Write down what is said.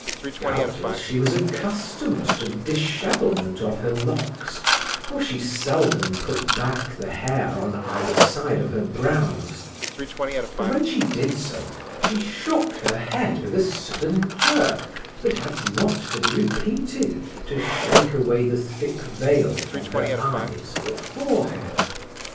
Doubtless she was accustomed to the dishevelment of her locks, for she seldom put back the hair on either side of her brows; but when she did so, she shook her head with a sudden jerk that had not to be repeated to shake away the thick veil from her eyes or forehead.